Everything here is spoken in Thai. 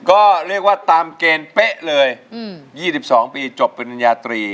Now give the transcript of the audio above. ก็เรียกว่าตามเกณฑ์เป๊ะเลย๒๒ปีจบปริญญาตรี